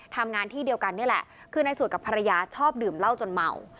ทำงานที่เดียวกันนี่แหละคือนายสวดกับภรรยาชอบดื่มเหล้าจนเมา